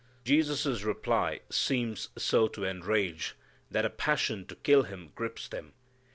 Jesus' reply seems so to enrage that a passion to kill Him grips them.